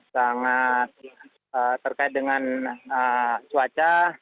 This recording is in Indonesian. sangat terkait dengan cuaca